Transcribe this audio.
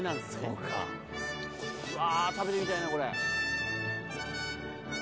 うわ食べてみたいなこれ。